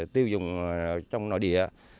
tiêu dùng trong nội địa